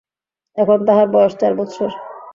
এখন তাহার বয়স চার বৎসর।